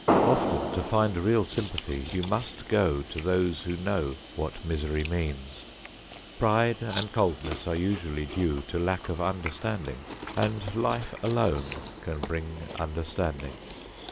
Often to find real sympathy you must go to those who know what misery means. Pride and coldness are usually due to lack of understanding, and life alone can bring understanding.